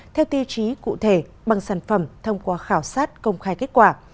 theo tiêu chí cụ thể bằng sản phẩm thông qua khảo sát công khai kết quả